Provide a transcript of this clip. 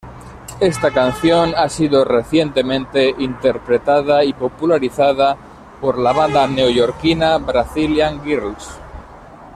Esta canción ha sido recientemente interpretada y popularizada por la banda neoyorquina Brazilian Girls.